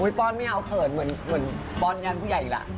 โหป้อนไม่เอาเขินเหมือนป้อนเยี่ยมผู้ใหญ่อีกแล้ว